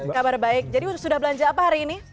kabar baik jadi sudah belanja apa hari ini